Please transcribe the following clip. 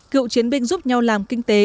cựu chiến binh giúp nhau làm kinh tế